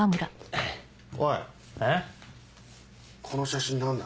この写真何だ？